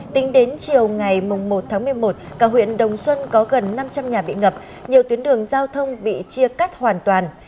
tính đến chiều ngày một tháng một mươi một cả huyện đồng xuân có gần năm trăm linh nhà bị ngập nhiều tuyến đường giao thông bị chia cắt hoàn toàn